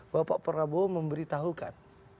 bahwa pak prabowo memberitahukan